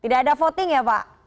tidak ada voting ya pak